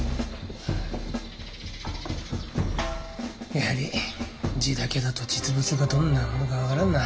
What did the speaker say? やはり字だけだと実物がどんなものか分からんな。